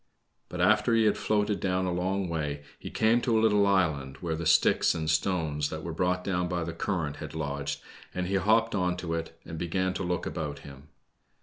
But after he had floated down a long way, he came to a little island, where the sticks and stones that were brought down by the current had lodged, and he hopped on to it and began to look about him.